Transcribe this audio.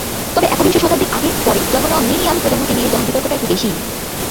তবে একবিংশ শতাব্দীর আগে-পরে জন্ম নেওয়া মিলেনিয়াল প্রজন্মকে নিয়ে যেমন বিতর্কটা একটু বেশিই।